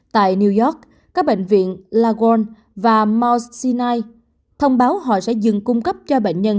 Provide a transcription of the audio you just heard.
tại new york các bệnh viện laguard và mount sinai thông báo họ sẽ dừng cung cấp cho bệnh nhân